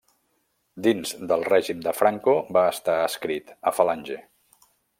Dins del Règim de Franco va estar adscrit a Falange.